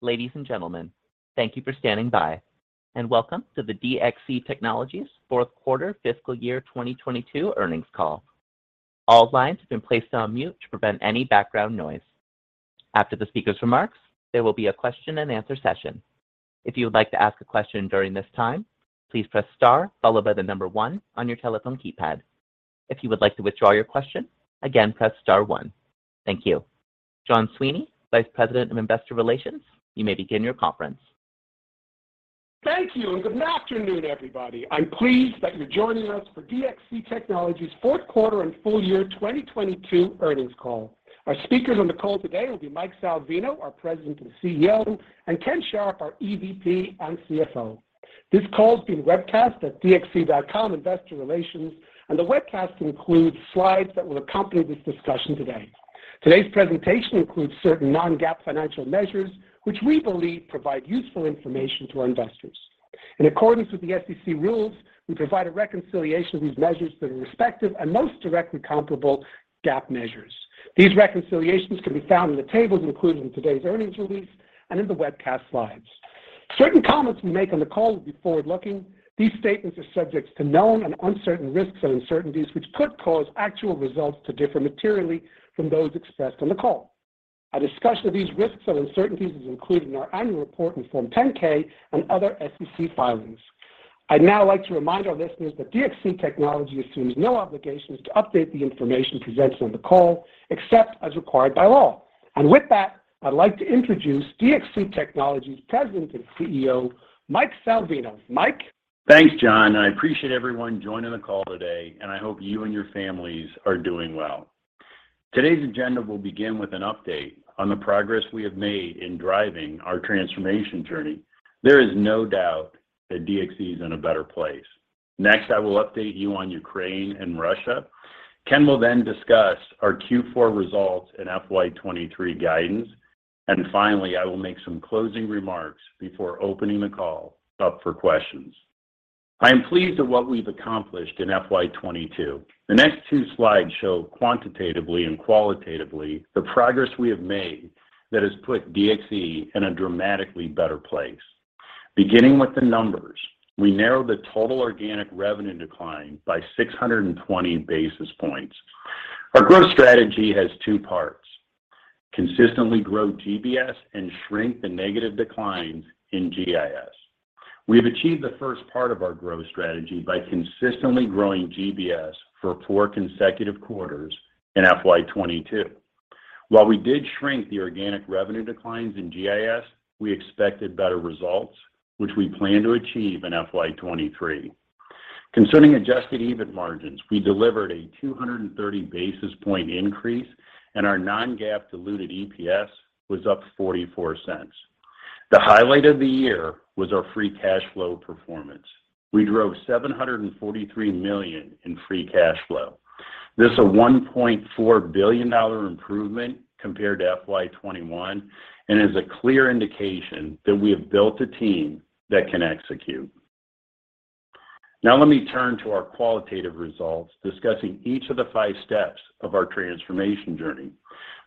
Ladies and gentlemen, thank you for standing by, and welcome to the DXC Technology's fourth quarter fiscal year 2022 earnings call. All lines have been placed on mute to prevent any background noise. After the speaker's remarks, there will be a question and answer session. If you would like to ask a question during this time, please press star followed by the number 1 on your telephone keypad. If you would like to withdraw your question, again, press star 1. Thank you. John Sweeney, Vice President of Investor Relations, you may begin your conference. Thank you, and good afternoon, everybody. I'm pleased that you're joining us for DXC Technology's fourth quarter and full year 2022 earnings call. Our speakers on the call today will be Mike Salvino, our President and CEO, and Ken Sharp, our EVP and CFO. This call is being webcast at dxc.com Investor Relations, and the webcast includes slides that will accompany this discussion today. Today's presentation includes certain non-GAAP financial measures, which we believe provide useful information to our investors. In accordance with the SEC rules, we provide a reconciliation of these measures to the respective and most directly comparable GAAP measures. These reconciliations can be found in the tables included in today's earnings release and in the webcast slides. Certain comments we make on the call will be forward-looking. These statements are subject to known and uncertain risks and uncertainties, which could cause actual results to differ materially from those expressed on the call. Our discussion of these risks and uncertainties is included in our annual report in Form 10-K and other SEC filings. I'd now like to remind our listeners that DXC Technology assumes no obligations to update the information presented on the call, except as required by law. With that, I'd like to introduce DXC Technology's President and CEO, Mike Salvino. Mike? Thanks, John. I appreciate everyone joining the call today, and I hope you and your families are doing well. Today's agenda will begin with an update on the progress we have made in driving our transformation journey. There is no doubt that DXC is in a better place. Next, I will update you on Ukraine and Russia. Ken will then discuss our Q4 results and FY23 guidance. Finally, I will make some closing remarks before opening the call up for questions. I am pleased with what we've accomplished in FY22. The next two slides show quantitatively and qualitatively the progress we have made that has put DXC in a dramatically better place. Beginning with the numbers, we narrowed the total organic revenue decline by 620 basis points. Our growth strategy has two parts. Consistently grow GBS and shrink the negative declines in GIS. We have achieved the first part of our growth strategy by consistently growing GBS for four consecutive quarters in FY22. While we did shrink the organic revenue declines in GIS, we expected better results, which we plan to achieve in FY23. Concerning adjusted EBIT margins, we delivered a 230 basis point increase, and our non-GAAP diluted EPS was up $0.44. The highlight of the year was our free cash flow performance. We drove $743 million in free cash flow. This is a $1.4 billion improvement compared to FY21 and is a clear indication that we have built a team that can execute. Now let me turn to our qualitative results, discussing each of the 5 steps of our transformation journey.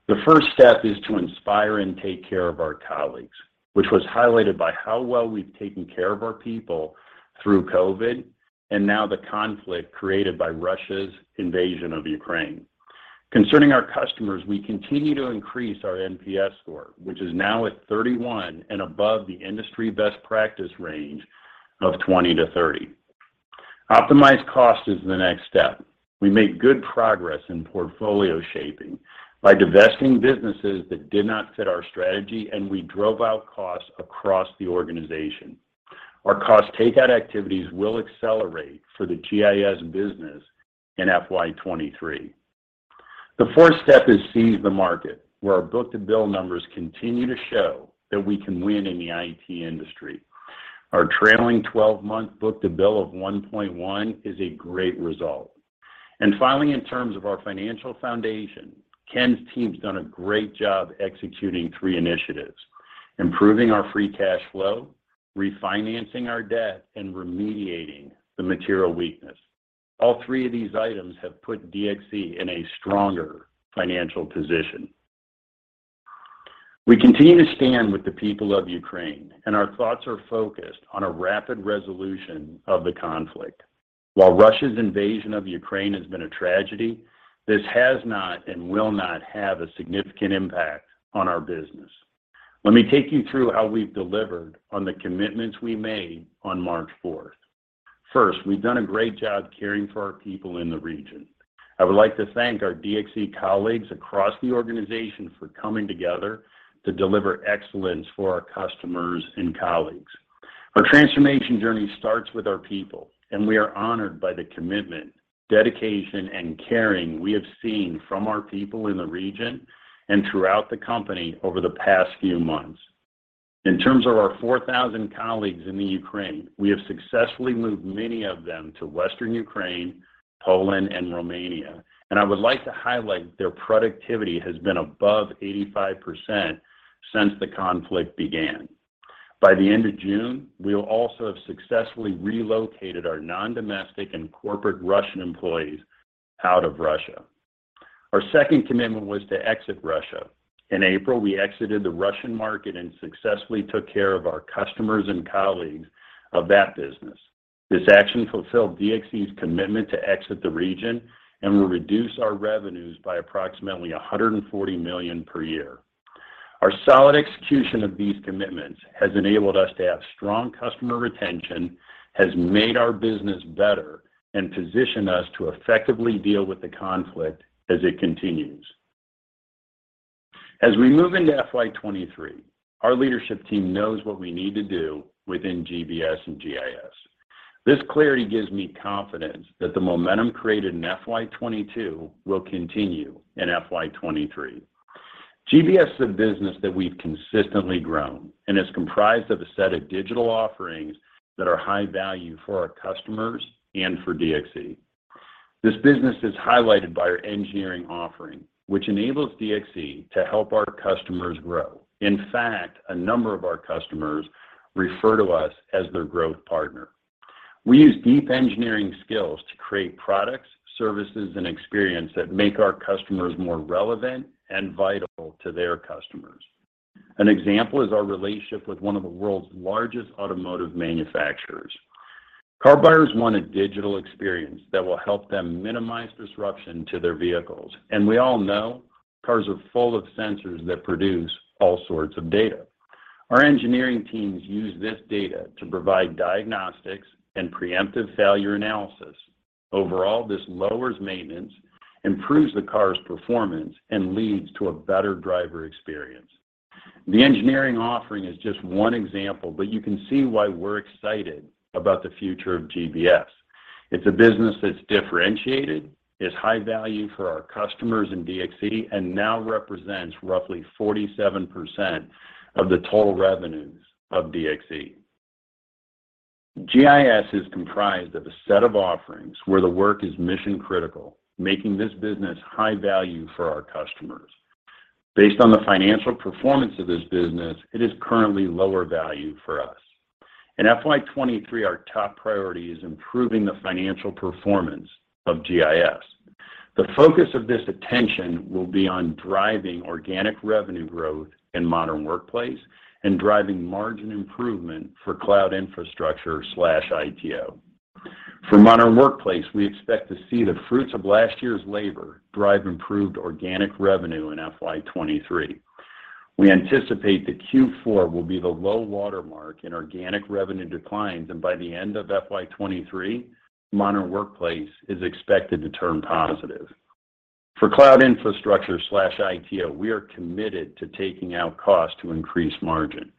The first step is to inspire and take care of our colleagues, which was highlighted by how well we've taken care of our people through COVID and now the conflict created by Russia's invasion of Ukraine. Concerning our customers, we continue to increase our NPS score, which is now at 31 and above the industry best practice range of 20-30. Optimized cost is the next step. We made good progress in portfolio shaping by divesting businesses that did not fit our strategy, and we drove out costs across the organization. Our cost take-out activities will accelerate for the GIS business in FY23. The fourth step is seize the market, where our book-to-bill numbers continue to show that we can win in the IT industry. Our trailing twelve-month book to bill of 1.1 is a great result. Finally, in terms of our financial foundation, Ken's team's done a great job executing three initiatives, improving our free cash flow, refinancing our debt, and remediating the material weakness. All three of these items have put DXC in a stronger financial position. We continue to stand with the people of Ukraine, and our thoughts are focused on a rapid resolution of the conflict. While Russia's invasion of Ukraine has been a tragedy, this has not and will not have a significant impact on our business. Let me take you through how we've delivered on the commitments we made on March fourth. First, we've done a great job caring for our people in the region. I would like to thank our DXC colleagues across the organization for coming together to deliver excellence for our customers and colleagues. Our transformation journey starts with our people, and we are honored by the commitment, dedication, and caring we have seen from our people in the region and throughout the company over the past few months. In terms of our 4,000 colleagues in Ukraine, we have successfully moved many of them to Western Ukraine, Poland, and Romania. I would like to highlight their productivity has been above 85% since the conflict began. By the end of June, we will also have successfully relocated our non-domestic and corporate Russian employees out of Russia. Our second commitment was to exit Russia. In April, we exited the Russian market and successfully took care of our customers and colleagues of that business. This action fulfilled DXC's commitment to exit the region and will reduce our revenues by approximately $140 million per year. Our solid execution of these commitments has enabled us to have strong customer retention, has made our business better, and positioned us to effectively deal with the conflict as it continues. As we move into FY 2023, our leadership team knows what we need to do within GBS and GIS. This clarity gives me confidence that the momentum created in FY 2022 will continue in FY 2023. GBS is a business that we've consistently grown and is comprised of a set of digital offerings that are high value for our customers and for DXC. This business is highlighted by our engineering offering, which enables DXC to help our customers grow. In fact, a number of our customers refer to us as their growth partner. We use deep engineering skills to create products, services, and experience that make our customers more relevant and vital to their customers. An example is our relationship with one of the world's largest automotive manufacturers. Car buyers want a digital experience that will help them minimize disruption to their vehicles, and we all know cars are full of sensors that produce all sorts of data. Our engineering teams use this data to provide diagnostics and preemptive failure analysis. Overall, this lowers maintenance, improves the car's performance, and leads to a better driver experience. The engineering offering is just one example, but you can see why we're excited about the future of GBS. It's a business that's differentiated, is high value for our customers in DXC, and now represents roughly 47% of the total revenues of DXC. GIS is comprised of a set of offerings where the work is mission-critical, making this business high value for our customers. Based on the financial performance of this business, it is currently lower value for us. In FY 2023, our top priority is improving the financial performance of GIS. The focus of this attention will be on driving organic revenue growth in Modern Workplace and driving margin improvement for Cloud and ITO. For Modern Workplace, we expect to see the fruits of last year's labor drive improved organic revenue in FY 2023. We anticipate that Q4 will be the low-water mark in organic revenue declines, and by the end of FY 2023, Modern Workplace is expected to turn positive. For Cloud and ITO, we are committed to taking out cost to increase margin,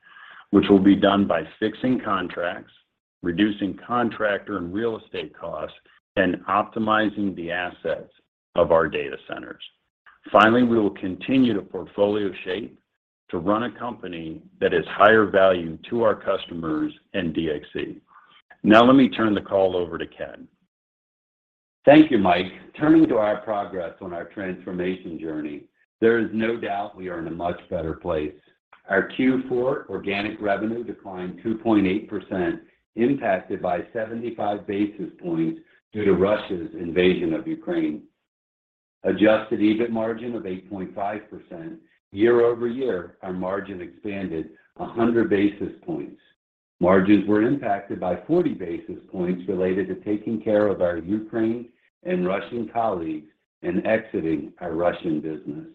which will be done by fixing contracts, reducing contractor and real estate costs, and optimizing the assets of our data centers. Finally, we will continue to portfolio shape to run a company that is higher value to our customers and DXC. Now let me turn the call over to Ken Sharp. Thank you, Mike. Turning to our progress on our transformation journey, there is no doubt we are in a much better place. Our Q4 organic revenue declined 2.8%, impacted by 75 basis points due to Russia's invasion of Ukraine. Adjusted EBIT margin of 8.5%. Year-over-year, our margin expanded 100 basis points. Margins were impacted by 40 basis points related to taking care of our Ukraine and Russian colleagues in exiting our Russian business.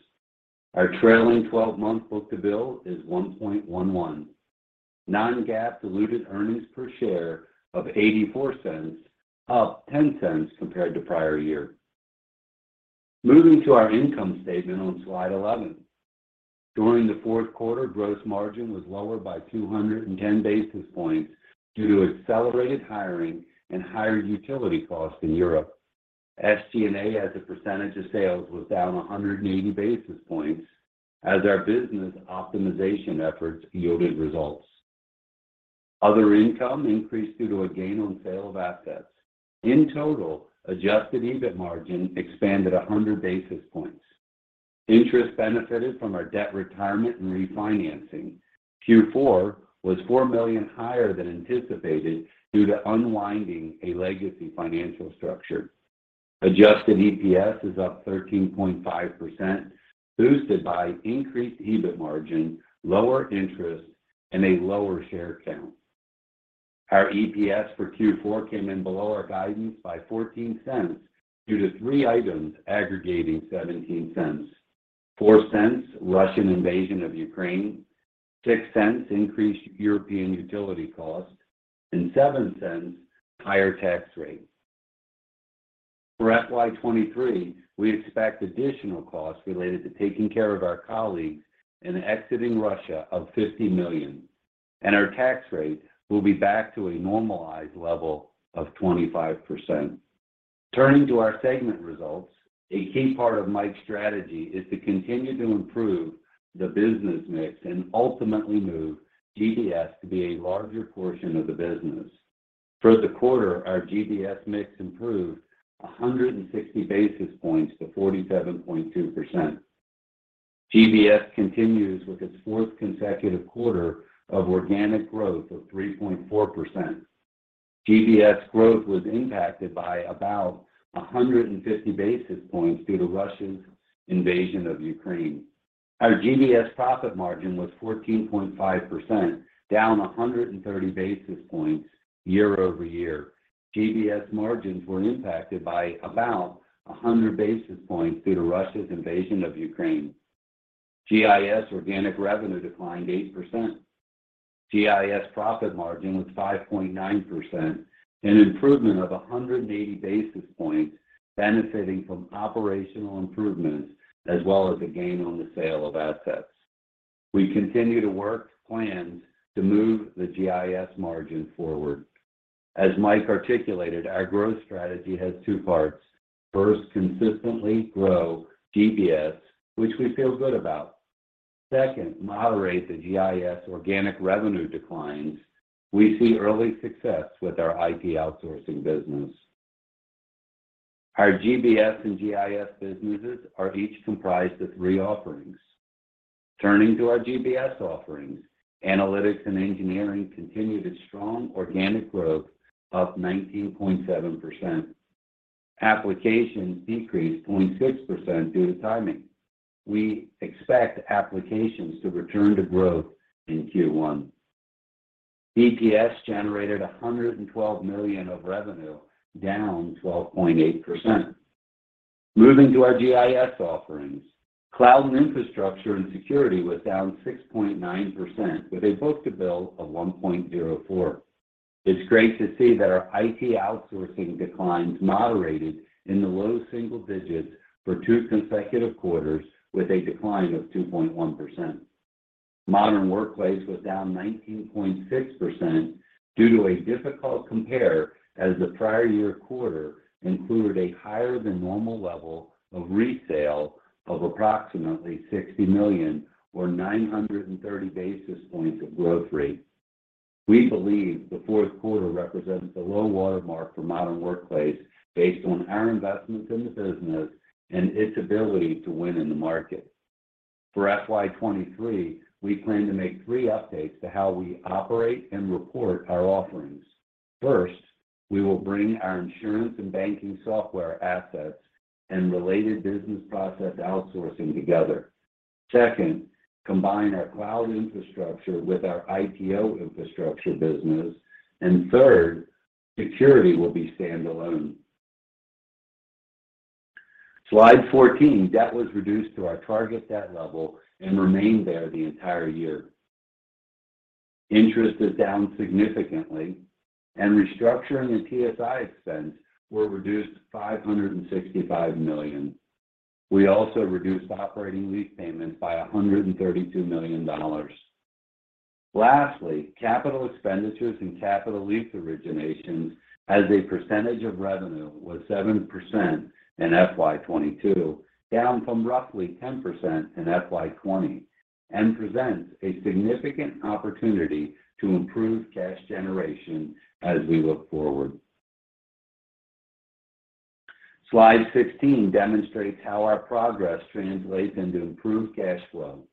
Our trailing-twelve-month book-to-bill is 1.11. Non-GAAP diluted earnings per share of $0.84, up $0.10 compared to prior year. Moving to our income statement on slide 11. During the fourth quarter, gross margin was lower by 210 basis points due to accelerated hiring and higher utility costs in Europe. SG&A as a percentage of sales was down 180 basis points as our business optimization efforts yielded results. Other income increased due to a gain on sale of assets. In total, adjusted EBIT margin expanded 100 basis points. Interest benefited from our debt retirement and refinancing. Q4 was $4 million higher than anticipated due to unwinding a legacy financial structure. Adjusted EPS is up 13.5%, boosted by increased EBIT margin, lower interest, and a lower share count. Our EPS for Q4 came in below our guidance by $0.14 due to three items aggregating $0.17. $0.04, Russian invasion of Ukraine, $0.06 increased European utility costs, and $0.07 higher tax rates. For FY 2023, we expect additional costs related to taking care of our colleagues in exiting Russia of $50 million, and our tax rate will be back to a normalized level of 25%. Turning to our segment results, a key part of Mike's strategy is to continue to improve the business mix and ultimately move GBS to be a larger portion of the business. For the quarter, our GBS mix improved 160 basis points to 47.2%. GBS continues with its fourth consecutive quarter of organic growth of 3.4%. GBS growth was impacted by about 150 basis points due to Russia's invasion of Ukraine. Our GBS profit margin was 14.5%, down 130 basis points year-over-year. GBS margins were impacted by about 100 basis points due to Russia's invasion of Ukraine. GIS organic revenue declined 8%. GIS profit margin was 5.9%, an improvement of 180 basis points benefiting from operational improvements as well as a gain on the sale of assets. We continue to work plans to move the GIS margin forward. As Mike articulated, our growth strategy has two parts. First, consistently grow GBS, which we feel good about. Second, moderate the GIS organic revenue declines. We see early success with our IT outsourcing business. Our GBS and GIS businesses are each comprised of three offerings. Turning to our GBS offerings, Analytics and Engineering continued its strong organic growth of 19.7%. Applications decreased 0.6% due to timing. We expect applications to return to growth in Q1. BPS generated $112 million of revenue, down 12.8%. Moving to our GIS offerings, cloud and infrastructure and security was down 6.9% with a book-to-bill of 1.04. It's great to see that our IT outsourcing declines moderated in the low single digits for two consecutive quarters with a decline of 2.1%. Modern Workplace was down 19.6% due to a difficult compare as the prior year quarter included a higher than normal level of resale of approximately $60 million or 930 basis points of growth rate. We believe the fourth quarter represents the low watermark for Modern Workplace based on our investments in the business and its ability to win in the market. For FY 2023, we plan to make three updates to how we operate and report our offerings. First, we will bring our insurance and banking software assets and related business process outsourcing together. Second, combine our cloud infrastructure with our ITO infrastructure business. And third, security will be standalone. Slide 14, debt was reduced to our target debt level and remained there the entire year. Interest is down significantly, and restructuring and TSI expense were reduced $565 million. We also reduced operating lease payments by $132 million. Lastly, capital expenditures and capital lease originations as a percentage of revenue was 7% in FY 2022, down from roughly 10% in FY 2020, and presents a significant opportunity to improve cash generation as we look forward. Slide 16 demonstrates how our progress translates into improved cash flow.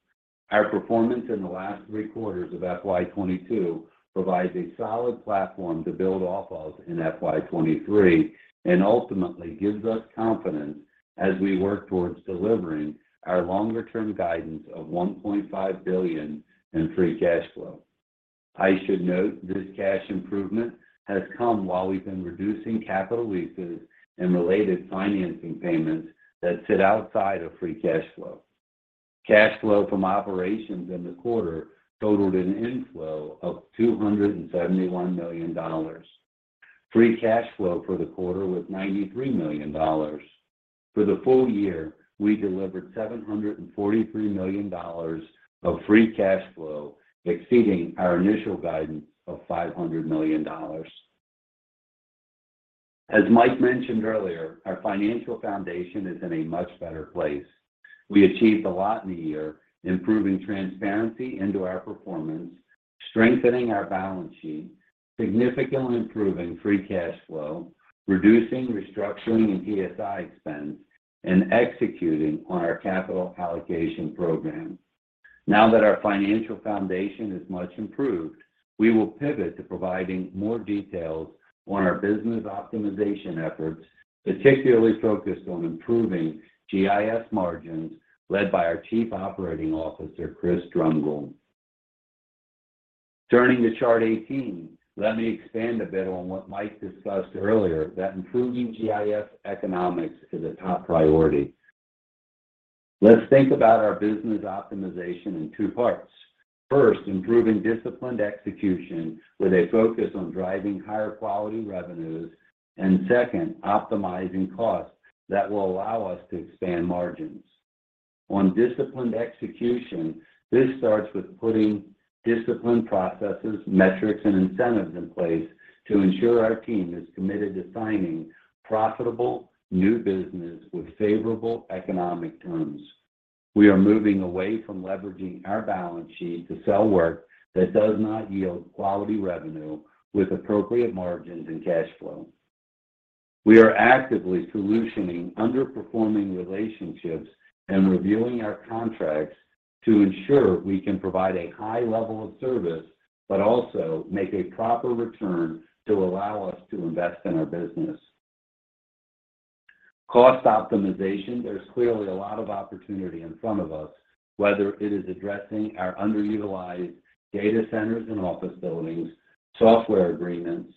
Our performance in the last three quarters of FY 2022 provides a solid platform to build off of in FY 2023 and ultimately gives us confidence as we work towards delivering our longer-term guidance of $1.5 billion in free cash flow. I should note this cash improvement has come while we've been reducing capital leases and related financing payments that sit outside of free cash flow. Cash flow from operations in the quarter totaled an inflow of $271 million. Free cash flow for the quarter was $93 million. For the full year, we delivered $743 million of free cash flow, exceeding our initial guidance of $500 million. As Mike mentioned earlier, our financial foundation is in a much better place. We achieved a lot in the year, improving transparency into our performance, strengthening our balance sheet, significantly improving free cash flow, reducing restructuring and TSI expense, and executing on our capital allocation program. Now that our financial foundation is much improved, we will pivot to providing more details on our business optimization efforts, particularly focused on improving GIS margins led by our Chief Operating Officer, Chris Drumgoole. Turning to chart 18, let me expand a bit on what Mike discussed earlier, that improving GIS economics is a top priority. Let's think about our business optimization in two parts. First, improving disciplined execution with a focus on driving higher quality revenues. Second, optimizing costs that will allow us to expand margins. On disciplined execution, this starts with putting disciplined processes, metrics, and incentives in place to ensure our team is committed to signing profitable new business with favorable economic terms. We are moving away from leveraging our balance sheet to sell work that does not yield quality revenue with appropriate margins and cash flow. We are actively solutioning underperforming relationships and reviewing our contracts to ensure we can provide a high level of service, but also make a proper return to allow us to invest in our business. Cost optimization. There's clearly a lot of opportunity in front of us, whether it is addressing our underutilized data centers and office buildings, software agreements,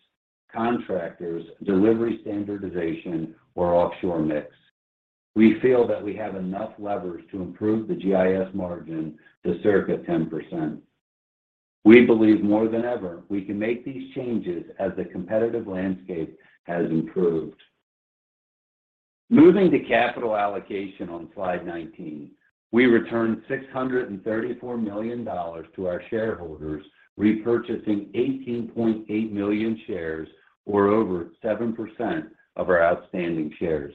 contractors, delivery standardization, or offshore mix. We feel that we have enough levers to improve the GIS margin to circa 10%. We believe more than ever, we can make these changes as the competitive landscape has improved. Moving to capital allocation on slide 19, we returned $634 million to our shareholders, repurchasing 18.8 million shares or over 7% of our outstanding shares.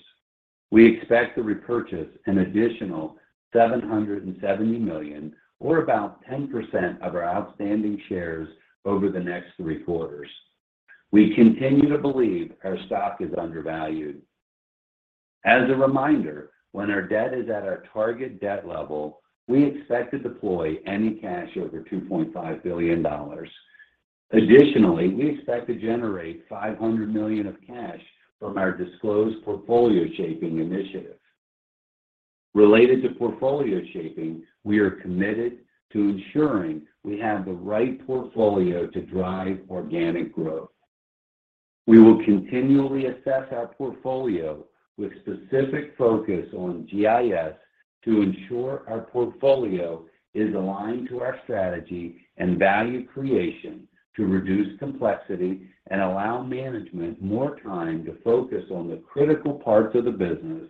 We expect to repurchase an additional $770 million or about 10% of our outstanding shares over the next threeQ3. We continue to believe our stock is undervalued. As a reminder, when our debt is at our target debt level, we expect to deploy any cash over $2.5 billion. Additionally, we expect to generate $500 million of cash from our disclosed portfolio shaping initiative. Related to portfolio shaping, we are committed to ensuring we have the right portfolio to drive organic growth. We will continually assess our portfolio with specific focus on GIS to ensure our portfolio is aligned to our strategy and value creation to reduce complexity and allow management more time to focus on the critical parts of the business.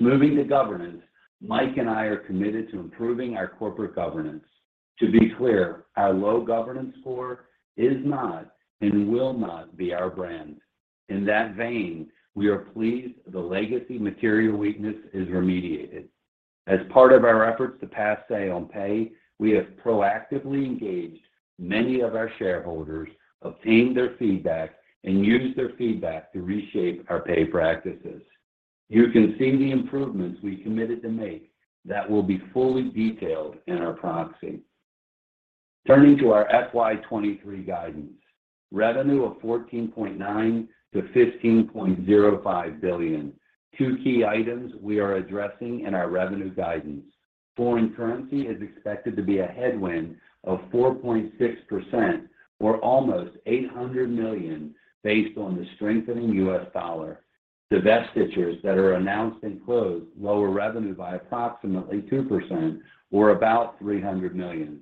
Moving to governance, Mike and I are committed to improving our corporate governance. To be clear, our low governance score is not and will not be our brand. In that vein, we are pleased the legacy material weakness is remediated. As part of our efforts to pass say on pay, we have proactively engaged many of our shareholders, obtained their feedback, and used their feedback to reshape our pay practices. You can see the improvements we committed to make that will be fully detailed in our proxy. Turning to our FY 2023 guidance. Revenue of $14.9 billion-$15.05 billion. Two key items we are addressing in our revenue guidance. Foreign currency is expected to be a headwind of 4.6% or almost $800 million based on the strengthening U.S. dollar. Divestitures that are announced and closed lower revenue by approximately 2% or about $300 million.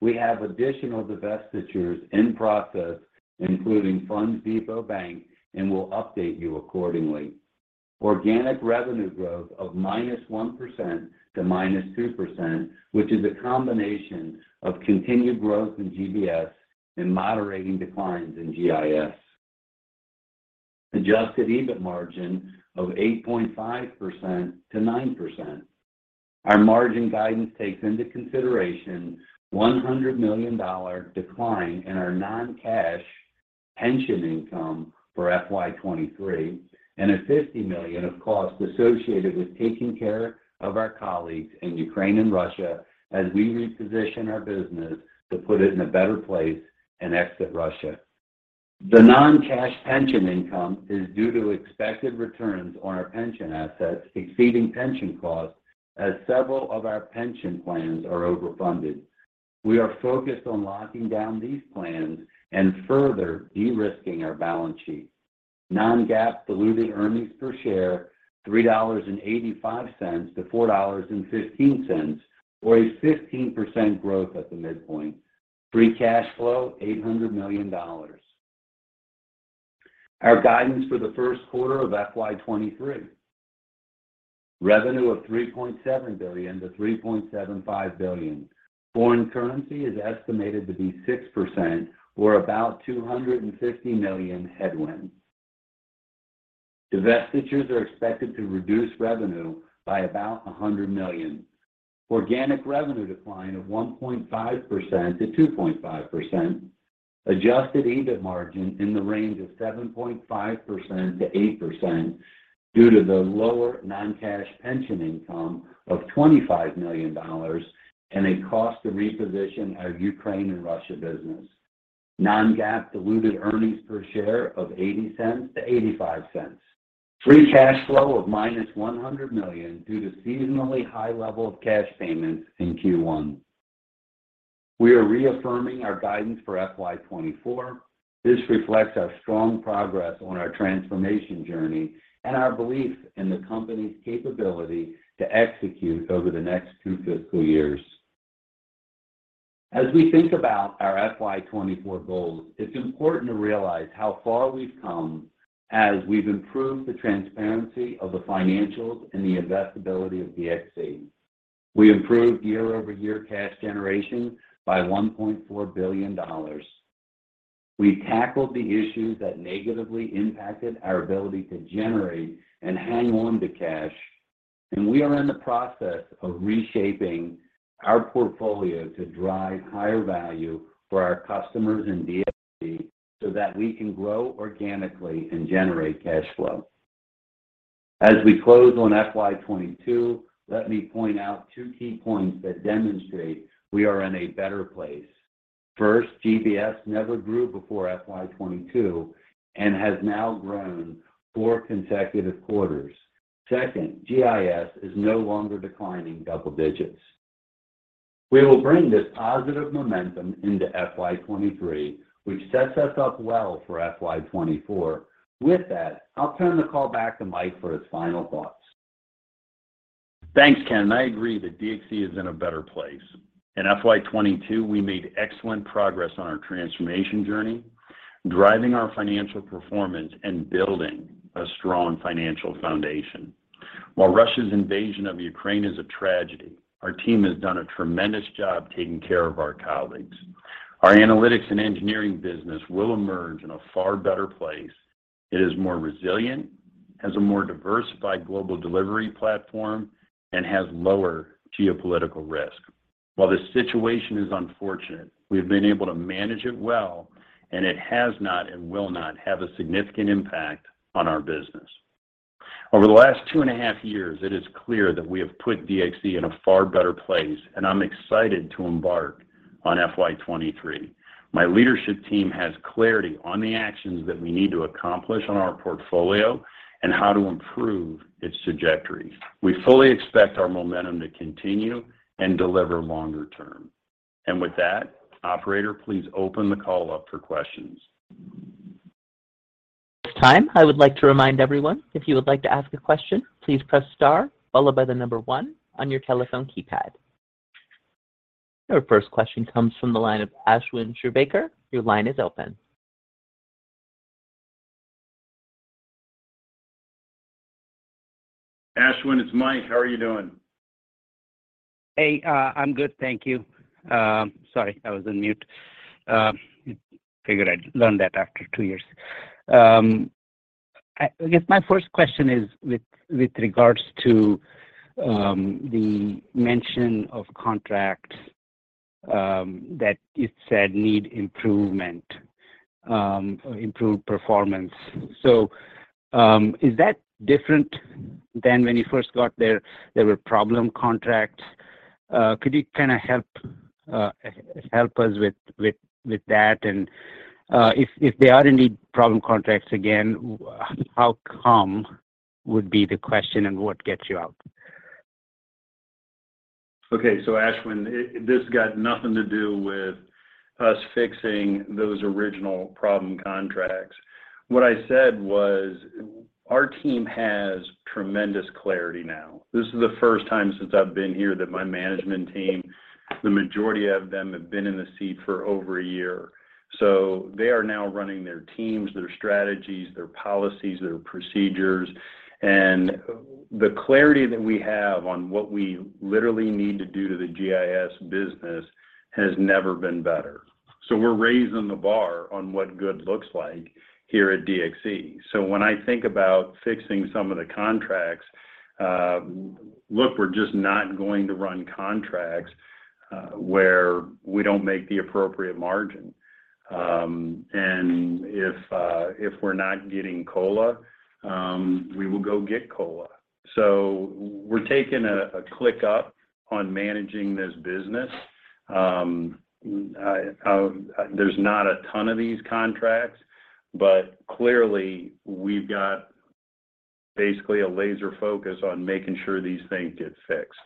We have additional divestitures in process, including Fondsdepot Bank, and we'll update you accordingly. Organic revenue growth of -1% to -2%, which is a combination of continued growth in GBS and moderating declines in GIS. Adjusted EBIT margin of 8.5%-9%. Our margin guidance takes into consideration $100 million dollar decline in our non-cash pension income for FY 2023 and a $50 million of costs associated with taking care of our colleagues in Ukraine and Russia as we reposition our business to put it in a better place and exit Russia. The non-cash pension income is due to expected returns on our pension assets exceeding pension costs as several of our pension plans are overfunded. We are focused on locking down these plans and further de-risking our balance sheet. Non-GAAP diluted earnings per share, $3.85-$4.15 or a 15% growth at the midpoint. Free cash flow, $800 million. Our guidance for the Q1 of FY 2023. Revenue of $3.7 billion-$3.75 billion. Foreign currency is estimated to be 6% or about $250 million headwinds. Divestitures are expected to reduce revenue by about $100 million. Organic revenue decline of 1.5%-2.5%. Adjusted EBIT margin in the range of 7.5%-8% due to the lower non-cash pension income of $25 million and a cost to reposition our Ukraine and Russia business. Non-GAAP diluted earnings per share of $0.80-$0.85. Free cash flow of -$100 million due to seasonally high level of cash payments in Q1. We are reaffirming our guidance for FY 2024. This reflects our strong progress on our transformation journey and our belief in the company's capability to execute over the next two fiscal years. As we think about our FY 2024 goals, it's important to realize how far we've come as we've improved the transparency of the financials and the investability of DXC. We improved year-over-year cash generation by $1.4 billion. We tackled the issues that negatively impacted our ability to generate and hang on to cash. We are in the process of reshaping our portfolio to drive higher value for our customers in DXC so that we can grow organically and generate cash flow. As we close on FY 2022, let me point out two key points that demonstrate we are in a better place. First, GBS never grew before FY 2022 and has now grown four consecutive quarters. Second, GIS is no longer declining double digits. We will bring this positive momentum into FY 2023, which sets us up well for FY 2024. With that, I'll turn the call back to Mike for his final thoughts. Thanks, Ken. I agree that DXC is in a better place. In FY 2022, we made excellent progress on our transformation journey, driving our financial performance and building a strong financial foundation. While Russia's invasion of Ukraine is a tragedy, our team has done a tremendous job taking care of our colleagues. Our Analytics and Engineering business will emerge in a far better place that is more resilient, has a more diversified global delivery platform, and has lower geopolitical risk. While this situation is unfortunate, we have been able to manage it well, and it has not and will not have a significant impact on our business. Over the last two and a half years, it is clear that we have put DXC in a far better place, and I'm excited to embark on FY 2023. My leadership team has clarity on the actions that we need to accomplish on our portfolio and how to improve its trajectory. We fully expect our momentum to continue and deliver longer term. With that, operator, please open the call up for questions. At this time, I would like to remind everyone, if you would like to ask a question, please press star followed by the number one on your telephone keypad. Our first question comes from the line of Ashwin Shirvaikar. Your line is open. Ashwin, it's Mike. How are you doing? Hey, I'm good. Thank you. Sorry, I was on mute. Figured I'd learn that after two years. I guess my first question is with regards to the mention of contracts that you said need improvement or improved performance. Is that different than when you first got there were problem contracts? Could you kinda help us with that? If there are indeed problem contracts again, how come would be the question and what gets you out? Okay. Ashwin, this has got nothing to do with us fixing those original problem contracts. What I said was our team has tremendous clarity now. This is the first time since I've been here that my management team, the majority of them have been in the seat for over a year. They are now running their teams, their strategies, their policies, their procedures. The clarity that we have on what we literally need to do to the GIS business has never been better. We're raising the bar on what good looks like here at DXC. When I think about fixing some of the contracts, look, we're just not going to run contracts where we don't make the appropriate margin. If we're not getting COLA, we will go get COLA. We're taking a close-up on managing this business. There's not a ton of these contracts, but clearly we've got basically a laser focus on making sure these things get fixed.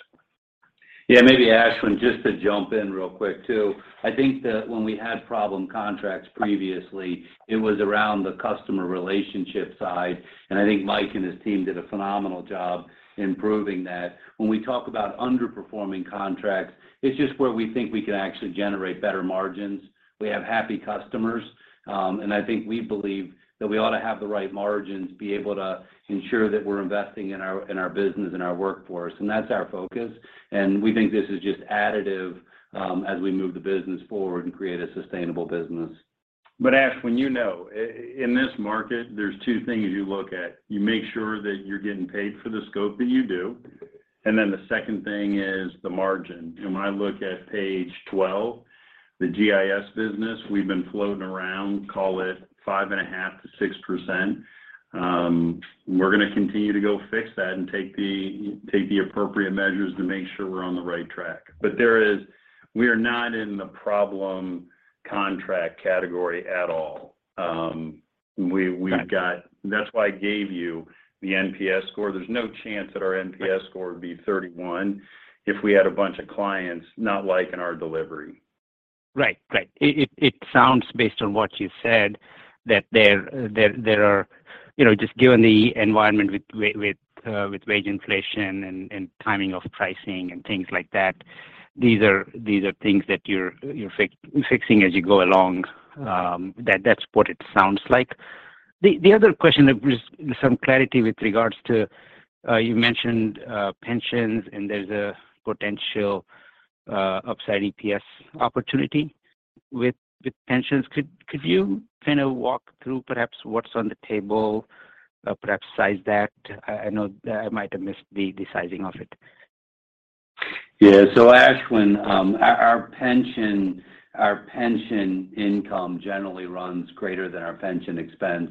Yeah, maybe Ashwin, just to jump in real quick too. I think that when we had problem contracts previously, it was around the customer relationship side, and I think Mike and his team did a phenomenal job improving that. When we talk about underperforming contracts, it's just where we think we can actually generate better margins. We have happy customers, and I think we believe that we ought to have the right margins to be able to ensure that we're investing in our business and our workforce. That's our focus, and we think this is just additive, as we move the business forward and create a sustainable business. Ashwin Shirvaikar in this market, there's two things you look at. You make sure that you're getting paid for the scope that you do, and then the second thing is the margin. When I look at page 12, the GIS business, we've been floating around 5.5%-6%. We're gonna continue to go fix that and take the appropriate measures to make sure we're on the right track. There is. We are not in the problem contract category at all. We've got- Got it. That's why I gave you the NPS score. There's no chance that our NPS score would be 31 if we had a bunch of clients not liking our delivery. Right. It sounds based on what you said that there are just given the environment with wage inflation and timing of pricing and things like that, these are things that you're fixing as you go along. That's what it sounds like. The other question is some clarity with regards to, you mentioned, pensions and there's a potential upside EPS opportunity with pensions. Could you kind of walk through perhaps what's on the table, perhaps size that? I know I might have missed the sizing of it. Ashwin, our pension income generally runs greater than our pension expense.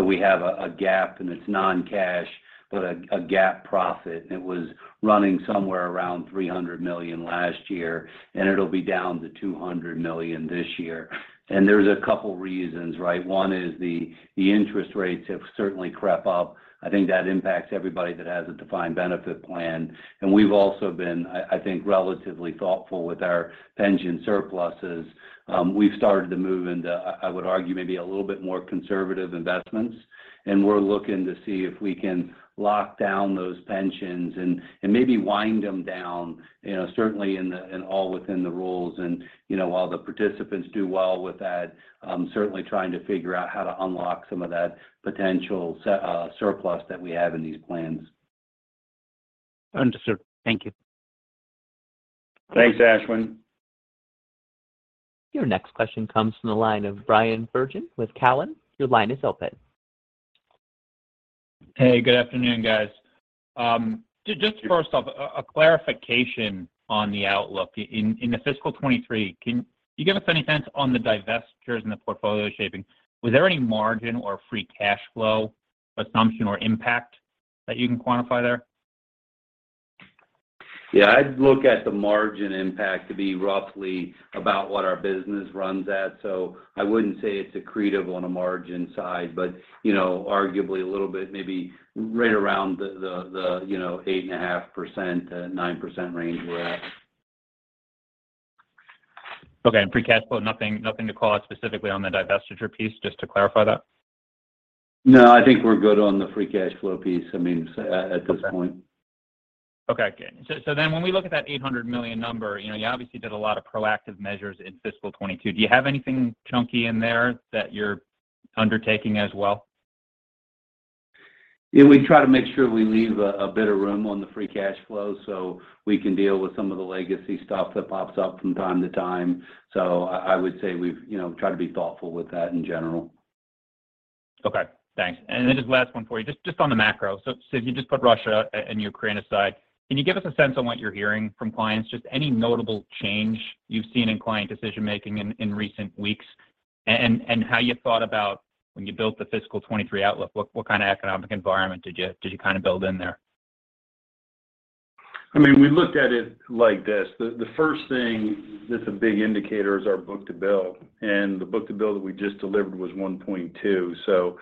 We have a gap, and it's non-cash, but a gap profit. It was running somewhere around $300 million last year, and it'll be down to $200 million this year. There's a couple reasons, right? One is the interest rates have certainly crept up. I think that impacts everybody that has a defined benefit plan. We've also been, I think, relatively thoughtful with our pension surpluses. We've started to move into, I would argue, maybe a little bit more conservative investments, and we're looking to see if we can lock down those pensions and maybe wind them down certainly in all within the rules. You know, while the participants do well with that, certainly trying to figure out how to unlock some of that potential surplus that we have in these plans. Understood. Thank you. Thanks, Ashwin. Your next question comes from the line of Bryan Bergin with Cowen. Your line is open. Hey, good afternoon, guys. Just first off, a clarification on the outlook. In the fiscal 2023, can you give us any sense on the divestitures and the portfolio shaping? Was there any margin or free cash flow assumption or impact that you can quantify there? Yeah. I'd look at the margin impact to be roughly about what our business runs at. I wouldn't say it's accretive on a margin side, but you know, arguably a little bit, maybe right around the you know, 8.5%-9% range we're at. Okay. Free cash flow, nothing to call out specifically on the divestiture piece just to clarify that? No, I think we're good on the free cash flow piece, I mean, at this point. Okay. When we look at that $800 million number you obviously did a lot of proactive measures in fiscal 2022. Do you have anything chunky in there that you're undertaking as well? Yeah. We try to make sure we leave a bit of room on the free cash flow so we can deal with some of the legacy stuff that pops up from time to time. I would say we've tried to be thoughtful with that in general. Okay, thanks. Just last one for you, just on the macro. If you just put Russia and Ukraine aside, can you give us a sense on what you're hearing from clients, just any notable change you've seen in client decision-making in recent weeks and how you thought about when you built the fiscal 2023 outlook? What kind of economic environment did you kind of build in there? I mean, we looked at it like this. The first thing that's a big indicator is our book-to-bill, and the book-to-bill that we just delivered was 1.2.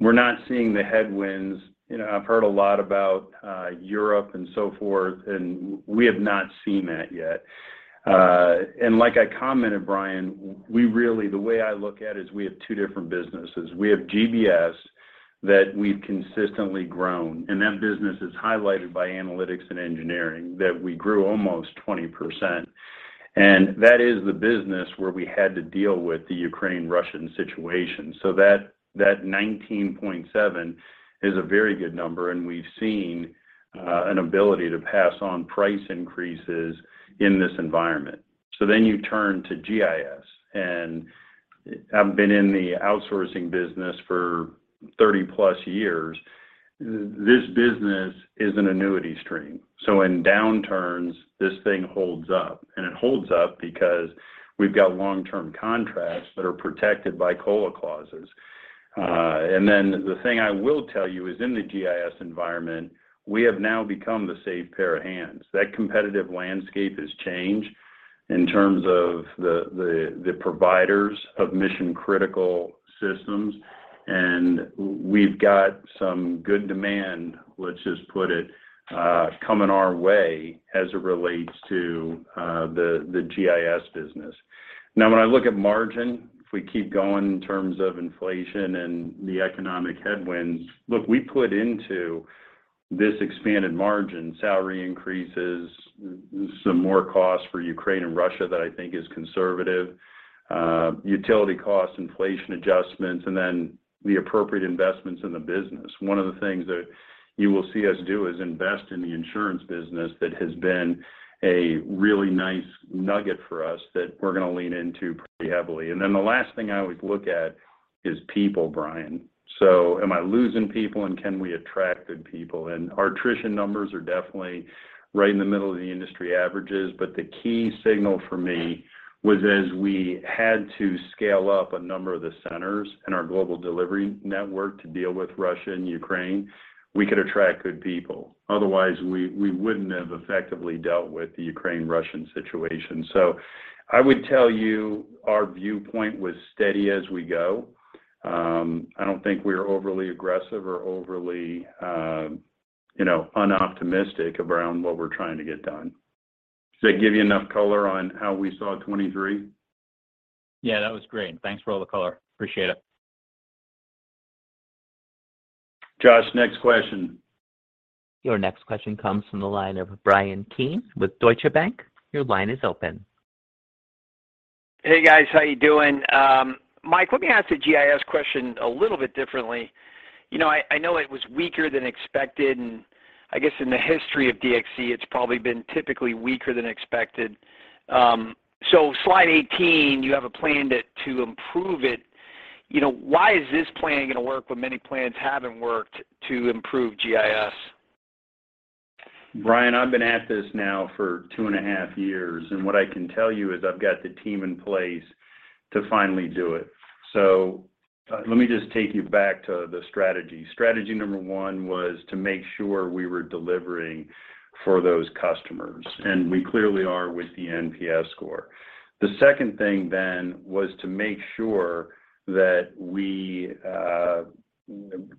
We're not seeing the headwinds. You know, I've heard a lot about, Europe and so forth, and we have not seen that yet. Like I commented, Bryan, we really, the way I look at it is we have two different businesses. We have GBS that we've consistently grown, and that business is highlighted by Analytics and Engineering that we grew almost 20%. That is the business where we had to deal with the Ukraine-Russian situation. That 19.7% is a very good number, and we've seen an ability to pass on price increases in this environment. You turn to GIS, and I've been in the outsourcing business for 30-plus years. This business is an annuity stream. In downturns, this thing holds up, and it holds up because we've got long-term contracts that are protected by COLA clauses. The thing I will tell you is in the GIS environment, we have now become the safe pair of hands. That competitive landscape has changed in terms of the providers of mission-critical systems, and we've got some good demand, let's just put it, coming our way as it relates to the GIS business. Now, when I look at margin, if we keep going in terms of inflation and the economic headwinds. Look, we put into this expanded margin, salary increases, some more costs for Ukraine and Russia that I think is conservative, utility costs, inflation adjustments, and then the appropriate investments in the business. One of the things that you will see us do is invest in the insurance business that has been a really nice nugget for us that we're gonna lean into pretty heavily. The last thing I always look at is people, Bryan. Am I losing people, and can we attract good people? Our attrition numbers are definitely right in the middle of the industry averages. The key signal for me was as we had to scale up a number of the centers in our global delivery network to deal with Russia and Ukraine, we could attract good people. Otherwise, we wouldn't have effectively dealt with the Ukraine-Russian situation. I would tell you our viewpoint was steady as we go. I don't think we're overly aggressive or overly unoptimistic around what we're trying to get done. Does that give you enough color on how we saw 2023? Yeah, that was great. Thanks for all the color. Appreciate it. Josh, next question. Your next question comes from the line of Bryan Keane with Deutsche Bank. Your line is open. Hey, guys. How you doing? Mike, let me ask the GIS question a little bit differently. You know, I know it was weaker than expected, and I guess in the history of DXC it's probably been typically weaker than expected. Slide 18, you have a plan to improve it. You know, why is this plan gonna work when many plans haven't worked to improve GIS? Bryan, I've been at this now for 2.5 years, and what I can tell you is I've got the team in place to finally do it. Let me just take you back to the strategy. Strategy number one was to make sure we were delivering for those customers, and we clearly are with the NPS score. The second thing was to make sure that we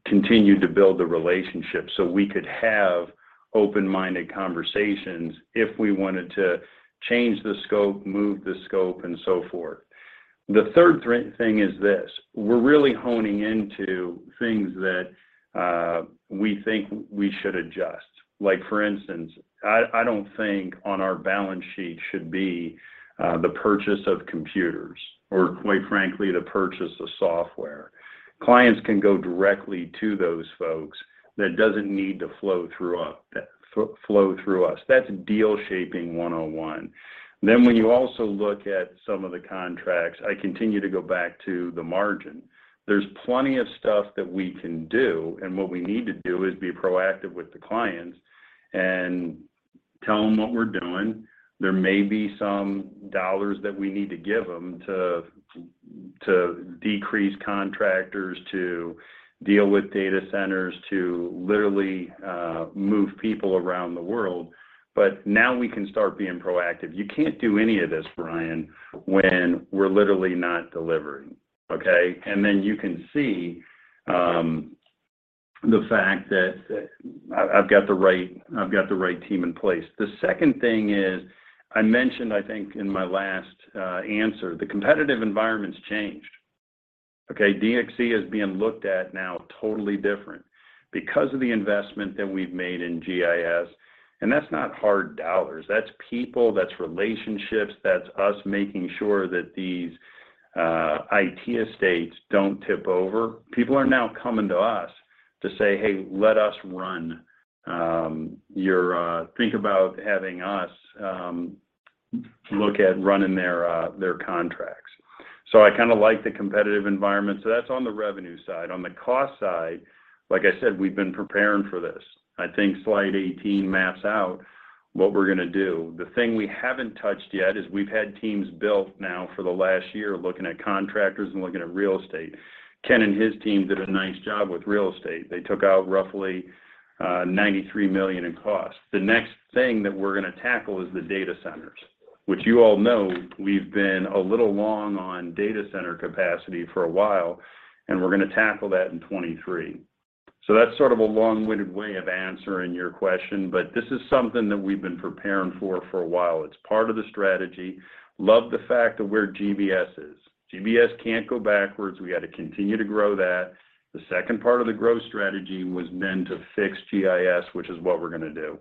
continued to build the relationship so we could have open-minded conversations if we wanted to change the scope, move the scope, and so forth. The third thing is this. We're really honing into things that we think we should adjust. Like for instance, I don't think on our balance sheet should be the purchase of computers or, quite frankly, the purchase of software. Clients can go directly to those folks. That doesn't need to flow through us. That's deal shaping 101. When you also look at some of the contracts, I continue to go back to the margin. There's plenty of stuff that we can do, and what we need to do is be proactive with the clients and tell them what we're doing. There may be some dollars that we need to give them to decrease contractors, to deal with data centers, to literally move people around the world, but now we can start being proactive. You can't do any of this, Bryan, when we're literally not delivering, okay? You can see the fact that I've got the right team in place. The second thing is, I mentioned I think in my last answer, the competitive environment's changed, okay? DXC is being looked at now totally different because of the investment that we've made in GIS, and that's not hard dollars. That's people, that's relationships, that's us making sure that these IT estates don't tip over. People are now coming to us to say, "Hey, Think about having us look at running their contracts." I kind of like the competitive environment. That's on the revenue side. On the cost side, like I said, we've been preparing for this. I think slide 18 maps out what we're gonna do. The thing we haven't touched yet is we've had teams built now for the last year looking at contractors and looking at real estate. Ken and his team did a nice job with real estate. They took out roughly $93 million in costs. The next thing that we're gonna tackle is the data centers, which you all know we've been a little long on data center capacity for a while, and we're gonna tackle that in 2023. That's sort of a long-winded way of answering your question, but this is something that we've been preparing for a while. It's part of the strategy. Love the fact of where GBS is. GBS can't go backwards. We got to continue to grow that. The second part of the growth strategy was then to fix GIS, which is what we're gonna do.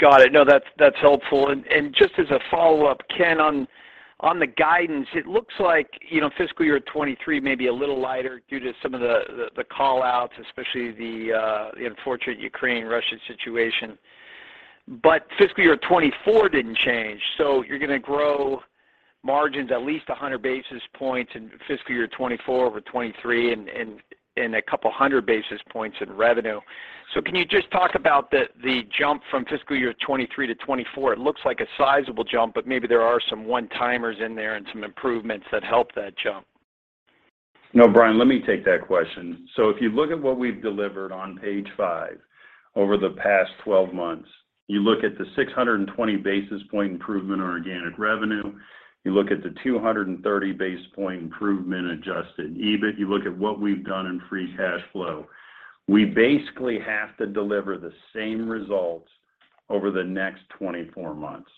Got it. No, that's helpful. And just as a follow-up, Ken, on the guidance, it looks like fiscal year 2023 may be a little lighter due to some of the call-outs, especially the unfortunate Ukraine-Russia situation. Fiscal year 2024 didn't change, so you're gonna grow margins at least 100 basis points in fiscal year 2024 over 2023 and a couple hundred basis points in revenue. Can you just talk about the jump from fiscal year 2023 to 2024? It looks like a sizable jump, but maybe there are some one-timers in there and some improvements that help that jump. No, Bryan, let me take that question. If you look at what we've delivered on page 5 over the past 12 months, you look at the 620 basis point improvement on organic revenue, you look at the 230 basis point improvement adjusted EBIT, you look at what we've done in free cash flow. We basically have to deliver the same results over the next 24 months.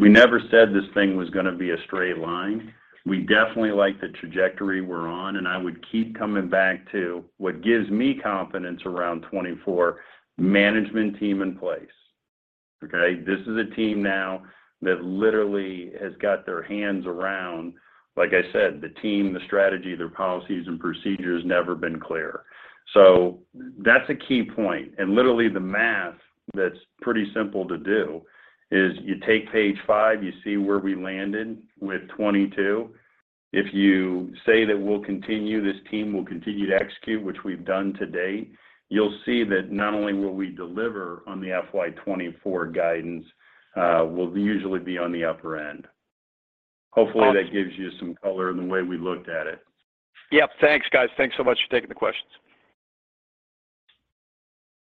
We never said this thing was gonna be a straight line. We definitely like the trajectory we're on, and I would keep coming back to what gives me confidence around 2024, management team in place, okay? This is a team now that literally has got their hands around, like I said, the team, the strategy, their policies and procedures never been clearer. That's a key point. Literally the math that's pretty simple to do is you take page 5, you see where we landed with '22. If you say that we'll continue, this team will continue to execute, which we've done to date, you'll see that not only will we deliver on the FY 2024 guidance, we'll usually be on the upper end. Hopefully that gives you some color in the way we looked at it. Yep. Thanks, guys. Thanks so much for taking the questions.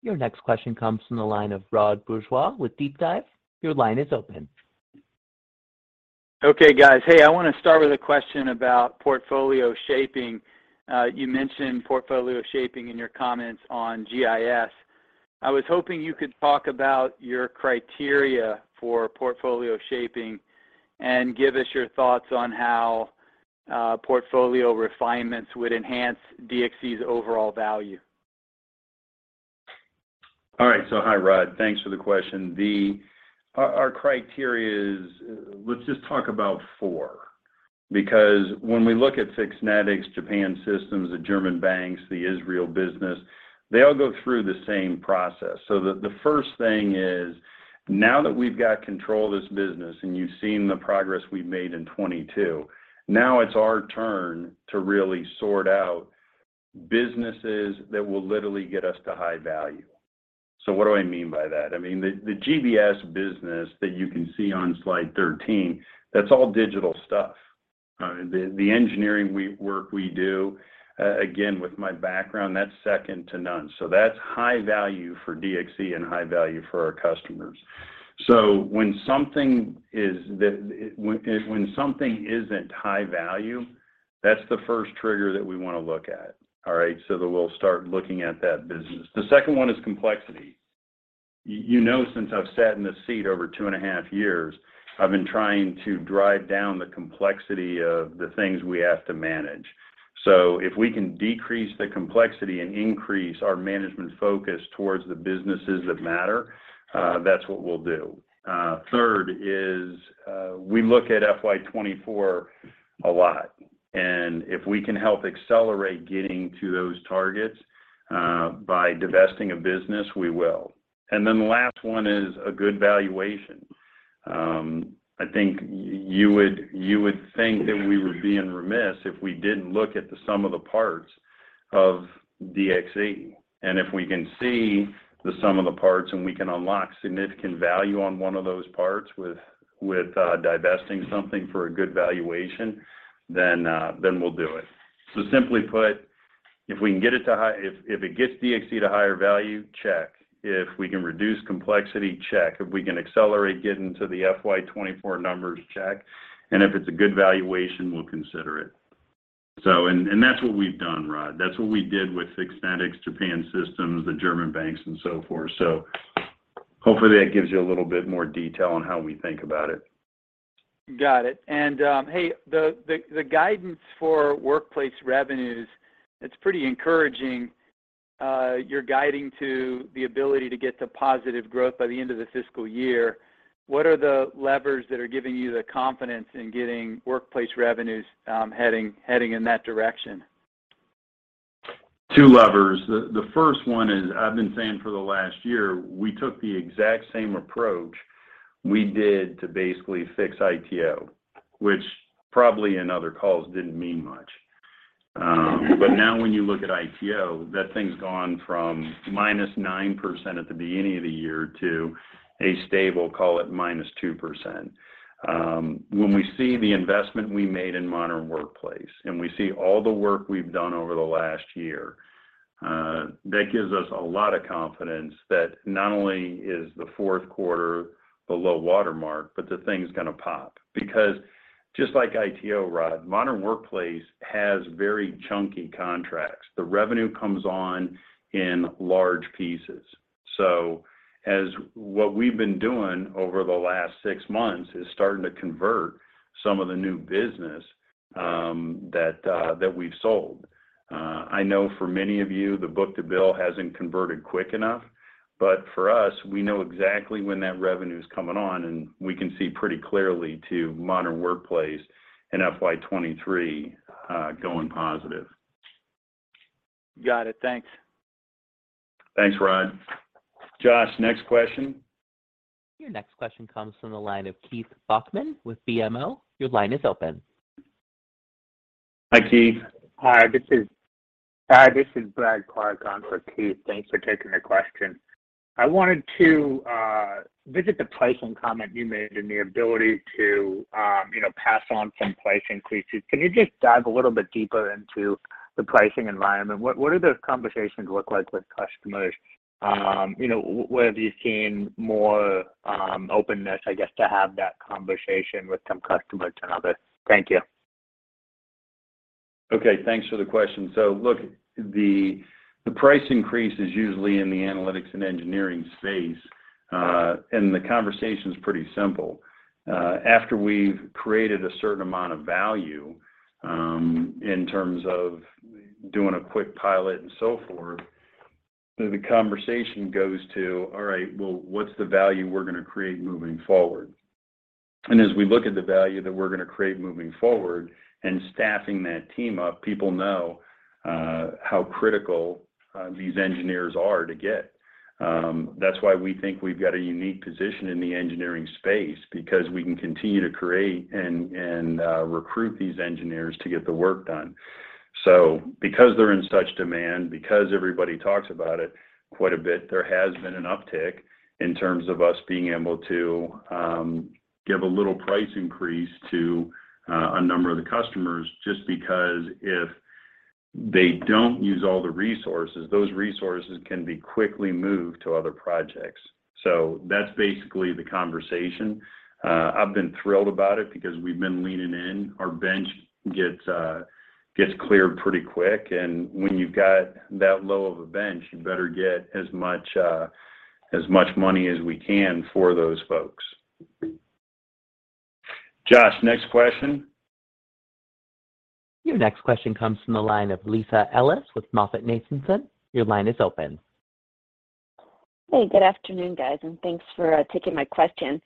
Your next question comes from the line of Rod Bourgeois with DeepDive. Your line is open. Okay, guys. Hey, I wanna start with a question about portfolio shaping. You mentioned portfolio shaping in your comments on GIS. I was hoping you could talk about your criteria for portfolio shaping and give us your thoughts on how portfolio refinements would enhance DXC's overall value. Right. Hi, Rod. Thanks for the question. Our criteria is, let's just talk about four because when we look at Fixnetix, Japan Systems, the German banks, the Israel business, they all go through the same process. The first thing is, now that we've got control of this business and you've seen the progress we've made in 2022, now it's our turn to really sort out businesses that will literally get us to high value. What do I mean by that? I mean, the GBS business that you can see on slide 13, that's all digital stuff. The engineering work we do, again, with my background, that's second to none. That's high value for DXC and high value for our customers. When something isn't high value, that's the first trigger that we wanna look at, all right? We'll start looking at that business. The second one is complexity. You know, since I've sat in this seat over 2.5 years, I've been trying to drive down the complexity of the things we have to manage. If we can decrease the complexity and increase our management focus towards the businesses that matter, that's what we'll do. Third is, we look at FY 2024 a lot, and if we can help accelerate getting to those targets by divesting a business, we will. The last one is a good valuation. I think you would think that we were being remiss if we didn't look at the sum of the parts of DXC. If we can see the sum of the parts, and we can unlock significant value on one of those parts with divesting something for a good valuation, then we'll do it. Simply put, if it gets DXC to higher value, check. If we can reduce complexity, check. If we can accelerate getting to the FY 2024 numbers, check. If it's a good valuation, we'll consider it. That's what we've done, Rod. That's what we did with Fixnetix, Japan Systems, the German banks and so forth. Hopefully that gives you a little bit more detail on how we think about it. Got it. The guidance for workplace revenues, it's pretty encouraging. You're guiding to the ability to get to positive growth by the end of the fiscal year. What are the levers that are giving you the confidence in getting workplace revenues heading in that direction? Two levers. The first one is, I've been saying for the last year, we took the exact same approach we did to basically fix ITO, which probably in other calls didn't mean much. But now when you look at ITO, that thing's gone from -9% at the beginning of the year to a stable, call it -2%. When we see the investment we made in Modern Workplace, and we see all the work we've done over the last year, that gives us a lot of confidence that not only is the Q4 the low water mark, but the thing's gonna pop. Because just like ITO, Rod, Modern Workplace has very chunky contracts. The revenue comes on in large pieces. What we've been doing over the last six months is starting to convert some of the new business that we've sold. I know for many of you, the book-to-bill hasn't converted quick enough, but for us, we know exactly when that revenue is coming on, and we can see pretty clearly to Modern Workplace in FY 2023 going positive. Got it. Thanks. Thanks, Rod. Josh, next question. Your next question comes from the line of Keith Bachman with BMO. Your line is open. Hi, Keith. Hi, this is Brad Clark on for Keith. Thanks for taking the question. I wanted to visit the pricing comment you made and the ability to pass on some price increases. Can you just dive a little bit deeper into the pricing environment? What do those conversations look like with customers? You know, where have you seen more openness, I guess, to have that conversation with some customers than others? Thank you. Okay. Thanks for the question. Look, the price increase is usually in the Analytics and Engineering space, and the conversation is pretty simple. After we've created a certain amount of value, in terms of doing a quick pilot and so forth, the conversation goes to, "All right. Well, what's the value we're gonna create moving forward?" As we look at the value that we're gonna create moving forward and staffing that team up, people know how critical these engineers are to get. That's why we think we've got a unique position in the engineering space because we can continue to create and recruit these engineers to get the work done. Because they're in such demand, because everybody talks about it quite a bit, there has been an uptick in terms of us being able to give a little price increase to a number of the customers just because if they don't use all the resources, those resources can be quickly moved to other projects. That's basically the conversation. I've been thrilled about it because we've been leaning in. Our bench gets cleared pretty quick, and when you've got that low of a bench, you better get as much money as we can for those folks. Josh, next question. Your next question comes from the line of Lisa Ellis with MoffettNathanson. Your line is open. Hey, good afternoon, guys, and thanks for taking my question.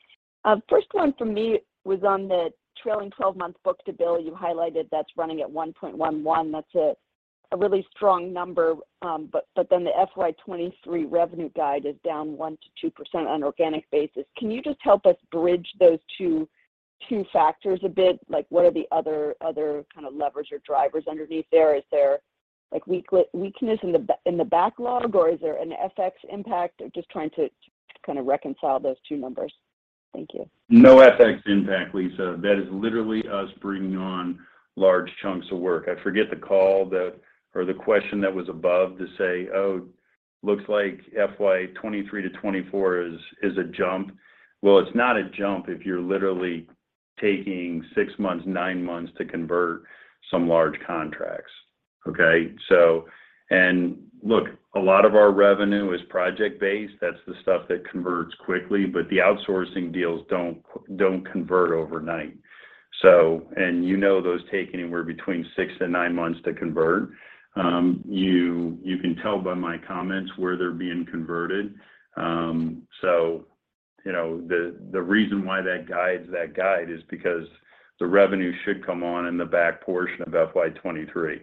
First one for me was on the trailing twelve-month book-to-bill you highlighted that's running at 1.11. That's a really strong number, but then the FY 2023 revenue guide is down 1%-2% on an organic basis. Can you just help us bridge those two factors a bit? Like, what are the other kind of levers or drivers underneath there? Is there, like, weakness in the backlog, or is there an FX impact? Just trying to kind of reconcile those two numbers. Thank you. No FX impact, Lisa. That is literally us bringing on large chunks of work. I forget the call that or the question that was above to say, "Oh, looks like FY 2023 to 2024 is a jump." Well, it's not a jump if you're literally taking 6 months, 9 months to convert some large contracts. Okay? Look, a lot of our revenue is project-based. That's the stuff that converts quickly, but the outsourcing deals don't convert overnight. You know those take anywhere between 6 and 9 months to convert. You can tell by my comments where they're being converted. You know, the reason why that guides that guide is because the revenue should come on in the back portion of FY 2023.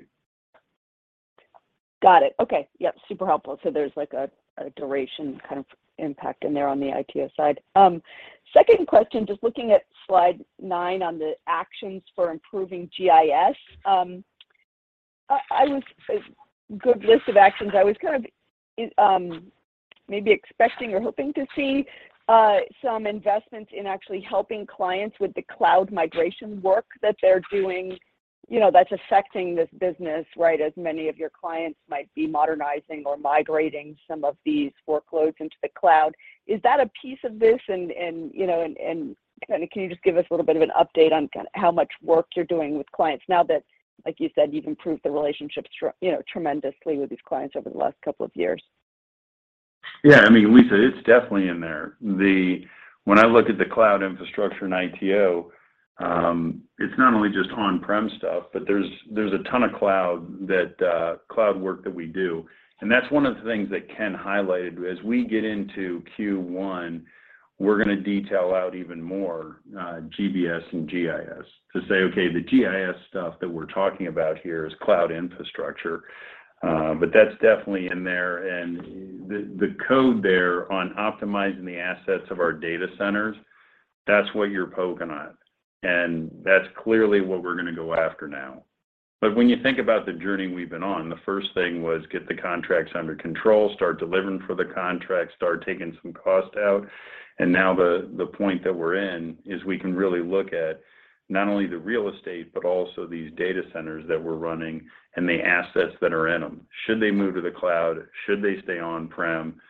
Got it. Okay. Yep, super helpful. There's like a duration kind of impact in there on the ITO side. Second question, just looking at slide 9 on the actions for improving GIS. Good list of actions. I was kind of maybe expecting or hoping to see some investment in actually helping clients with the cloud migration work that they're doing. You know, that's affecting this business, right? As many of your clients might be modernizing or migrating some of these workloads into the cloud. Is that a piece of this? And you know, kinda can you just give us a little bit of an update on kind of how much work you're doing with clients now that, like you said, you've improved the relationships you know, tremendously with these clients over the last couple of years. Yeah. I mean, Lisa, it's definitely in there. When I look at the cloud infrastructure in ITO, it's not only just on-prem stuff, but there's a ton of cloud that cloud work that we do. And that's one of the things that Ken highlighted. As we get into Q1, we're gonna detail out even more, GBS and GIS to say, okay, the GIS stuff that we're talking about here is cloud infrastructure, but that's definitely in there. And the code there on optimizing the assets of our data centers, that's what you're poking at, and that's clearly what we're gonna go after now. But when you think about the journey we've been on, the first thing was get the contracts under control, start delivering for the contracts, start taking some cost out. Now the point that we're in is we can really look at not only the real estate, but also these data centers that we're running and the assets that are in them. Should they move to the cloud? Should they stay on-prem?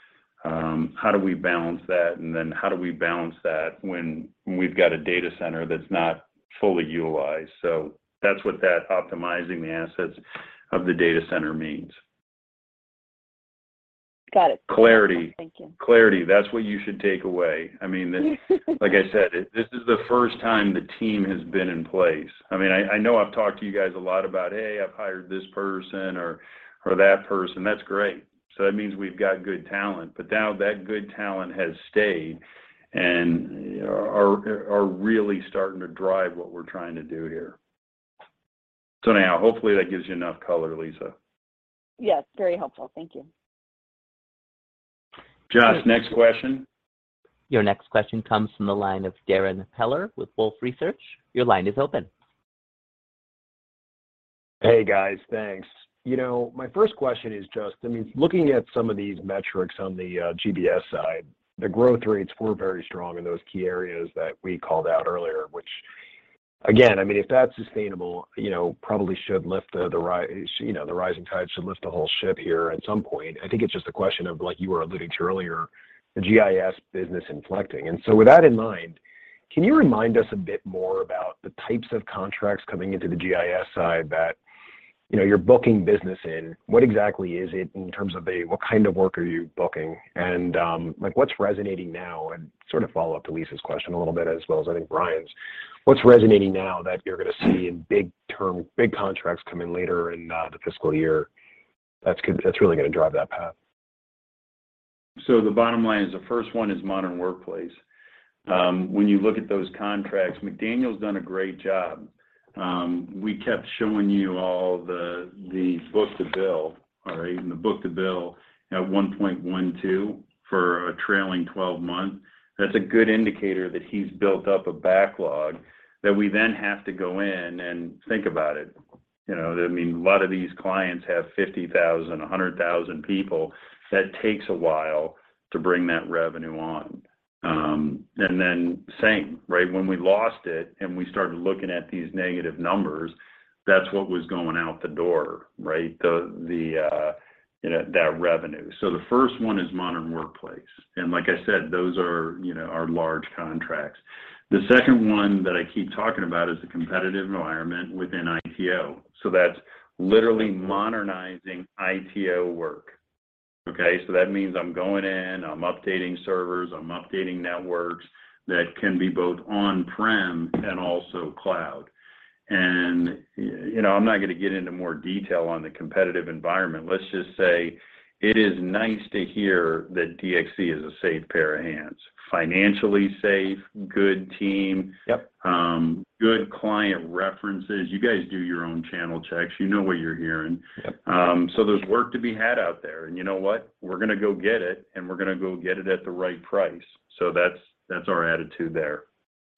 How do we balance that? And then how do we balance that when we've got a data center that's not fully utilized? That's what that optimizing the assets of the data center means. Got it. Clarity. Thank you. Clarity. That's what you should take away. I mean. Like I said, this is the first time the team has been in place. I mean, I know I've talked to you guys a lot about, hey, I've hired this person or that person. That's great. That means we've got good talent. Now that good talent has stayed and are really starting to drive what we're trying to do here. Now hopefully that gives you enough color, Lisa. Yes, very helpful. Thank you. Josh, next question. Your next question comes from the line of Darrin Peller with Wolfe Research. Your line is open. Hey, guys. Thanks. You know, my first question is just, I mean, looking at some of these metrics on the GBS side, the growth rates were very strong in those key areas that we called out earlier, which again, I mean, if that's sustainable probably should lift the rising tide should lift the whole ship here at some point. I think it's just a question of like you were alluding to earlier, the GIS business inflecting. So with that in mind, can you remind us a bit more about the types of contracts coming into the GIS side that you're booking business in? What exactly is it in terms of what kind of work are you booking? Like what's resonating now? Sort of follow up to Lisa's question a little bit as well as I think Bryan's. What's resonating now that you're gonna see in big term, big contracts come in later in the fiscal year that's really gonna drive that path? The bottom line is the first one is Modern Workplace. When you look at those contracts, McDaniel's done a great job. We kept showing you all the book-to-bill, all right? The book-to-bill at 1.12 for a trailing twelve month, that's a good indicator that he's built up a backlog that we then have to go in and think about it. You know, I mean, a lot of these clients have 50,000, 100,000 people. That takes a while to bring that revenue on. Then same, right? When we lost it and we started looking at these negative numbers, that's what was going out the door, right? The you know, that revenue. The first one is Modern Workplace. Like I said, those are large contracts. The second one that I keep talking about is the competitive environment within ITO. That's literally modernizing ITO work. Okay, that means I'm going in, I'm updating servers, I'm updating networks that can be both on-prem and also cloud. You know, I'm not gonna get into more detail on the competitive environment. Let's just say it is nice to hear that DXC is a safe pair of hands. Financially safe, good team. Yep. Good client references. You guys do your own channel checks. You know what you're hearing. Yep. There's work to be had out there. You know what? We're gonna go get it, and we're gonna go get it at the right price. That's our attitude there.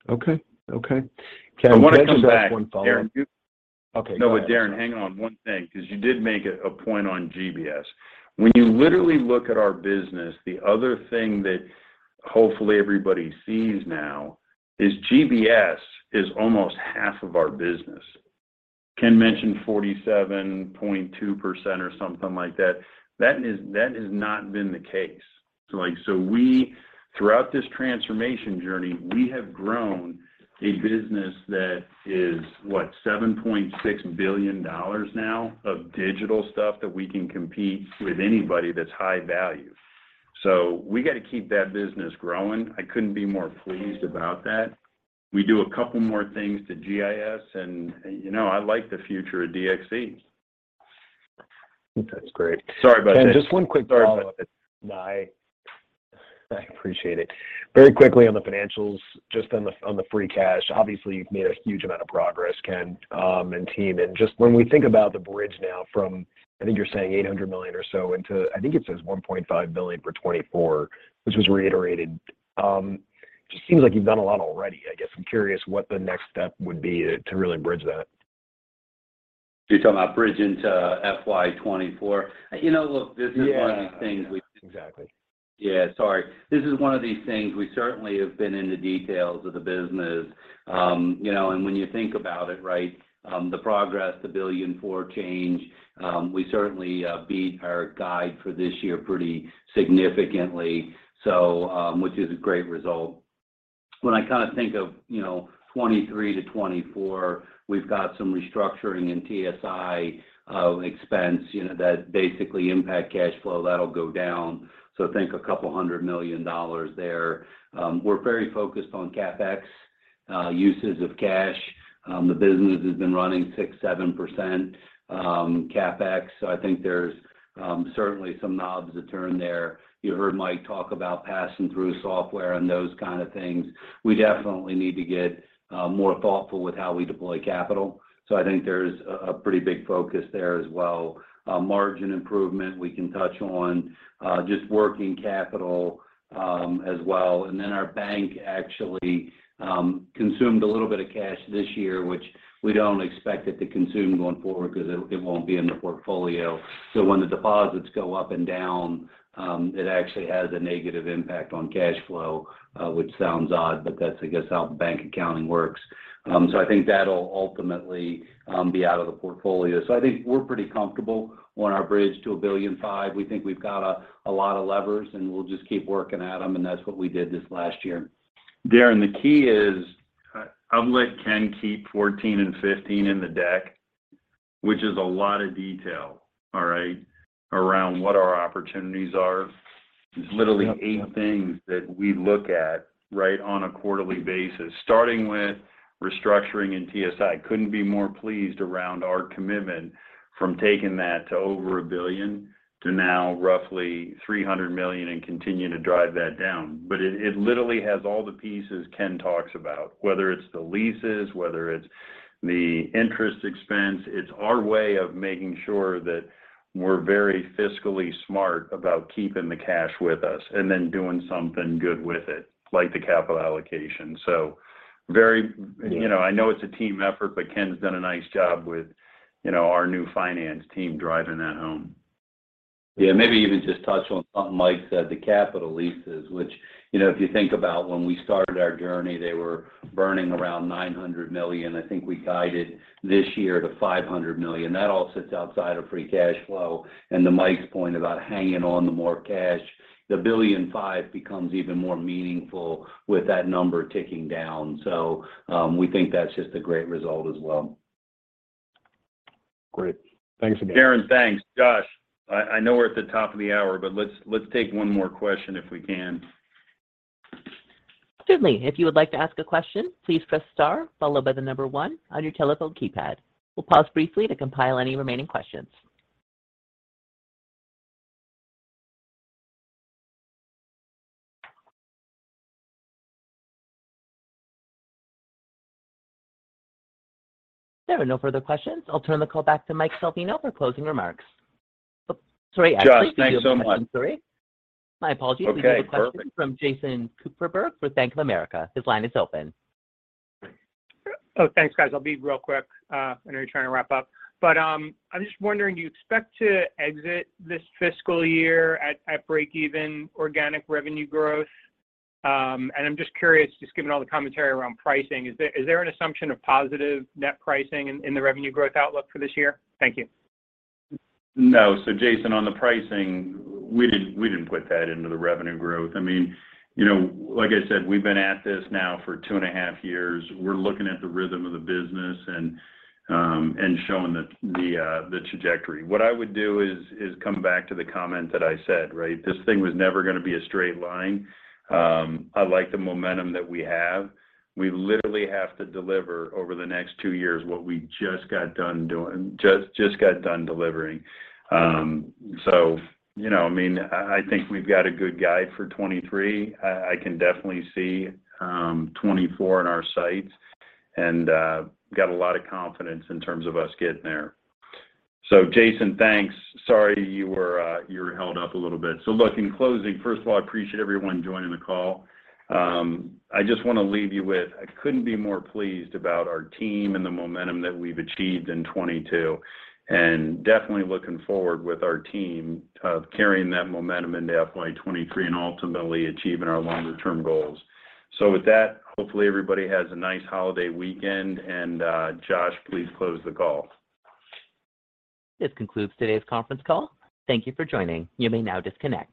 Okay. Ken, just ask one follow-up. I wanna come back, Darrin. Okay, go ahead. No, but Darrin, hang on one thing, 'cause you did make a point on GBS. When you literally look at our business, the other thing that hopefully everybody sees now is GBS is almost half of our business. Ken mentioned 47.2% or something like that. That has not been the case. Throughout this transformation journey, we have grown a business that is, what, $7.6 billion now of digital stuff that we can compete with anybody that's high value. We gotta keep that business growing. I couldn't be more pleased about that. We do a couple more things to GIS and you know, I like the future of DXC. That's great. Sorry about that. Ken, just one quick follow-up. Sorry about that. I appreciate it. Very quickly on the financials, just on the free cash, obviously you've made a huge amount of progress, Ken, and team. Just when we think about the bridge now from, I think you're saying $800 million or so into I think it says $1.5 billion for 2024, which was reiterated. Just seems like you've done a lot already. I guess I'm curious what the next step would be to really bridge that. You're talking about bridge into FY 2024. You know, look, this is one of these things we- Yeah. Exactly. Yeah. Sorry. This is one of these things, we certainly have been in the details of the business. You know, and when you think about it, right, the progress, the $1.4 billion change, we certainly beat our guide for this year pretty significantly, so which is a great result. When I kinda think of 2023 to 2024, we've got some restructuring in TSI expense that basically impact cash flow. That'll go down, so think $200 million there. We're very focused on CapEx uses of cash. The business has been running 6%-7% CapEx, so I think there's certainly some knobs to turn there. You heard Mike talk about passing through software and those kinda things. We definitely need to get more thoughtful with how we deploy capital, so I think there's a pretty big focus there as well. Margin improvement we can touch on, just working capital, as well. Our bank actually consumed a little bit of cash this year, which we don't expect it to consume going forward 'cause it won't be in the portfolio. When the deposits go up and down, it actually has a negative impact on cash flow, which sounds odd, but that's I guess how bank accounting works. I think that'll ultimately be out of the portfolio. I think we're pretty comfortable on our bridge to $1.5 billion. We think we've got a lot of levers, and we'll just keep working at them, and that's what we did this last year. Darrin, the key is, I've let Ken keep 14 and 15 in the deck, which is a lot of detail, all right, around what our opportunities are. Yep. Yep. There's literally 8 things that we look at, right, on a quarterly basis, starting with restructuring in TSI. Couldn't be more pleased around our commitment from taking that to over $1 billion to now roughly $300 million and continue to drive that down. It literally has all the pieces Ken talks about, whether it's the leases, whether it's the interest expense. It's our way of making sure that we're very fiscally smart about keeping the cash with us and then doing something good with it, like the capital allocation. Very- Yeah. You know, I know it's a team effort, but Ken's done a nice job with our new finance team driving that home. Yeah, maybe even just touch on something Mike said, the capital leases, which if you think about when we started our journey, they were burning around $900 million. I think we guided this year to $500 million. That all sits outside of free cash flow. To Mike's point about hanging on to more cash, the $1.5 billion becomes even more meaningful with that number ticking down. We think that's just a great result as well. Great. Thanks again. Darrin, thanks. Josh, I know we're at the top of the hour, but let's take one more question if we can. Certainly. If you would like to ask a question, please press star followed by the number one on your telephone keypad. We'll pause briefly to compile any remaining questions. There are no further questions. I'll turn the call back to Mike Salvino for closing remarks. Oh, sorry, actually- Josh, thanks so much. We do have a question. Sorry. My apologies. Okay, perfect. We do have a question from Jason Kupferberg with Bank of America. His line is open. Oh, thanks, guys. I'll be real quick, I know you're trying to wrap up. I'm just wondering, do you expect to exit this fiscal year at break even organic revenue growth? I'm just curious, just given all the commentary around pricing, is there an assumption of positive net pricing in the revenue growth outlook for this year? Thank you. No. Jason, on the pricing, we didn't put that into the revenue growth. I mean like I said, we've been at this now for 2.5 years. We're looking at the rhythm of the business and showing the trajectory. What I would do is come back to the comment that I said, right? This thing was never gonna be a straight line. I like the momentum that we have. We literally have to deliver over the next 2 years what we just got done doing, just got done delivering. You know, I mean, I think we've got a good guide for 2023. I can definitely see 2024 in our sights and got a lot of confidence in terms of us getting there. Jason, thanks. Sorry you were held up a little bit. Look, in closing, first of all, I appreciate everyone joining the call. I just wanna leave you with, I couldn't be more pleased about our team and the momentum that we've achieved in 2022, and definitely looking forward with our team of carrying that momentum into FY 2023 and ultimately achieving our longer term goals. With that, hopefully everybody has a nice holiday weekend, and, Josh, please close the call. This concludes today's conference call. Thank you for joining. You may now disconnect.